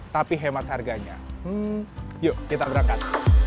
tapi hemat harganya yuk kita berangkat